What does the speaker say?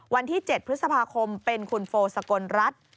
วันที่๗พฤษภาคมเป็นคุณโฟสกลรัฐ